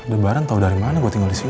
ada barang tau dari mana gue tinggal disini